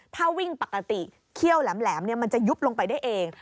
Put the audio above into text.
ถ้าวิ่งปกติเขี้ยวแหลมมันจะยุบลงไปได้เอง